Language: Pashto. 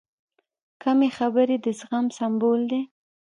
کمې خبرې، د زغم سمبول دی.